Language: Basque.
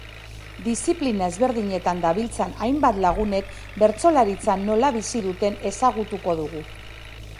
Diziplina ezberdinetan dabiltzan hainbat lagunek bertsolaritza nola bizi duten ezagutuko dugu.